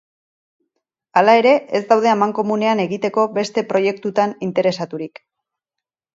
Hala ere, ez daude amankomunean egiteko beste proiektutan interesaturik.